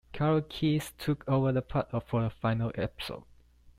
Karol Keyes took over the part for the final episode.